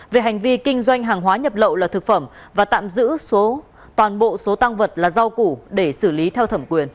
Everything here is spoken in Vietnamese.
về hành vi kinh doanh hàng hóa nhập lậu là thực phẩm và tạm giữ toàn bộ số tăng vật là rau củ để xử lý theo thẩm quyền